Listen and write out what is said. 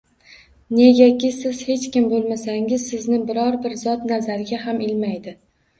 Negaki, siz hech kim bo‘lmasangiz, sizni biror-bir zot nazariga ham ilmaydi.